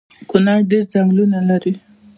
کونړ ډیر ځنګلونه لري